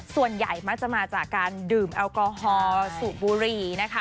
ส่วนใหญ่มักจะมาจากการดื่มแอลกอฮอลสูบบุหรี่นะคะ